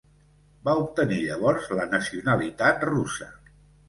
Va obtenir llavors la nacionalitat russa.